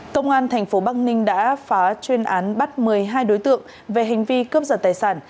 công an tp bắc ninh đã phá chuyên án bắt một mươi hai đối tượng về hành vi cướp giật tài sản